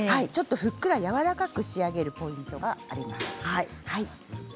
ちょっとふっくらやわらかく仕上げるポイントがあります。